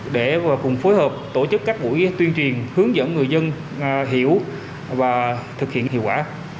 để cùng phối hợp tổ chức các buổi tuyên truyền hướng dẫn người dân hiểu và thực hiện hiệu quả